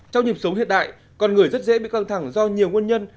trong nhịp sống hiện đại con người rất dễ bị căng thẳng do nhiều nguyên nhân